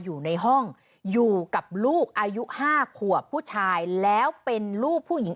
อยู่ในห้องอยู่กับลูกอายุ๕ขวบผู้ชายแล้วเป็นลูกผู้หญิง